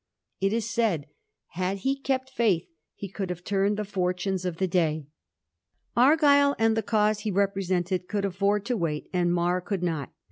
It is said that had he kept &ith he could have turned the fortunes of the day. Argyll and the cause he represented could aflPord to wait, and Mar could not.